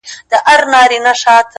زور او زير مي ستا په لاس کي وليدی _